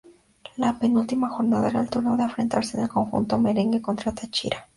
La penúltima jornada era el turno de enfrentarse el conjunto merengue contra Táchira.